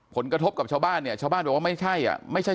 ผลกระทบกับชาวบ้านเนี่ยชาวบ้านบอกว่าไม่ใช่อ่ะไม่ใช่